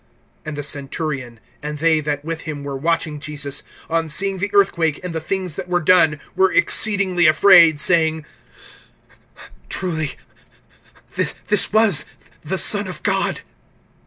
(54)And the centurion, and they that with him were watching Jesus, on seeing the earthquake, and the things that were done, were exceedingly afraid, saying: Truly this was the Son of God.